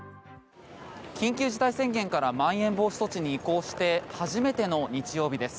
緊急事態宣言からまん延防止措置に移行して初めての日曜日です。